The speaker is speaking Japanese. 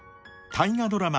大河ドラマ